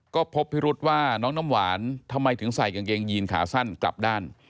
ก็พบพิรุษว่าน้องน้ำหวานทำไมถึงใส่กางเกงยีนขาสั้นกลับด้าน